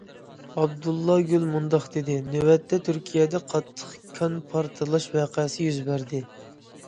ئابدۇللا گۈل مۇنداق دېدى: نۆۋەتتە تۈركىيەدە قاتتىق كان پارتلاش ۋەقەسى يۈز بەردى.